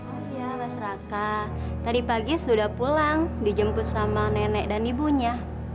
oh iya mas raka tadi pagi sudah pulang dijemput sama nenek dan ibunya